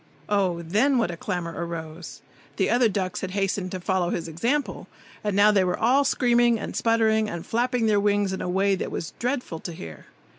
Oh, then, what a clamour arose! The other ducks had hastened to follow his example, and now they were all screaming and sputtering and flapping their wings in a way that was dreadful to hear.